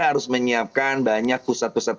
harus menyiapkan banyak pusat pusat